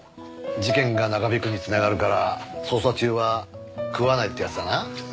事件が長引くに繋がるから捜査中は食わないってやつだな？